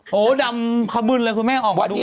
โหดำขมืนเลยคุณแม่งออกมาดูกันนะ